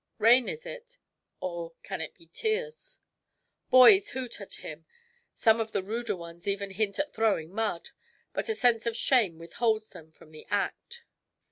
Rain is it ? Or can it be tears .'' Boys hoot at him. Some of the ruder ones even hint at throwing mud ; but a sense of shame with holds them from the act.